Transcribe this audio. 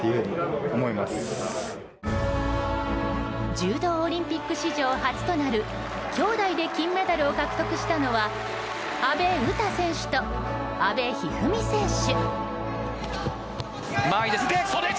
柔道オリンピック史上初となる兄妹で金メダルを獲得したのは阿部詩選手と阿部一二三選手。